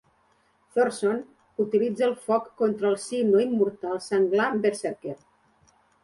Thorsson utilitza el foc contra el si no immortal Senglar Berserker.